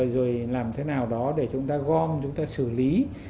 rồi làm thế nào đó để chúng ta gom chúng ta xử lý